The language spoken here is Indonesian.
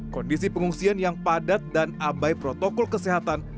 kondisi pengungsian yang padat dan abai protokol kesehatan